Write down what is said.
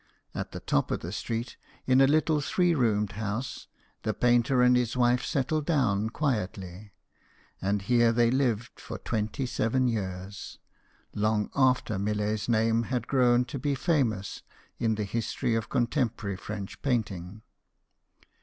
At the top of the street, in a little three roomed house, the painter and his wife settled down quietly ; and here they lived for twenty seven years, long after Millet's name had grown to be famous in the history of con temporary French painting.